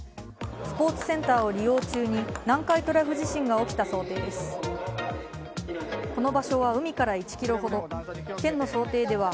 スポーツセンターを利用中に南海トラフ地震が起きた想定です。